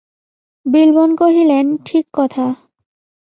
বিল্বন কহিলেন, ঠিক কথা।